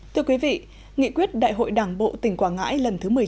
thưa quý vị nghị quyết đại hội đảng bộ tỉnh quảng ngãi lần thứ một mươi bảy